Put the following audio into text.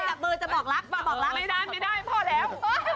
ไม่ได้ไม่ได้พอแล้ว